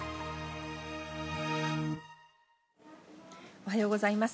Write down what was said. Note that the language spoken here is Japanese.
おはようございます。